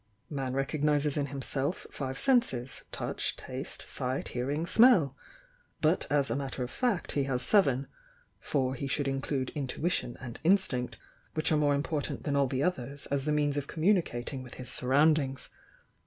Man recognises in himself Five Senses, Touch, Taste, Sight, Hearing, Smell — ^but as a matter of fact he has Seven, for he should include Intuition and Instinct, which are more important than all the others as the means of communicating with his surroundings.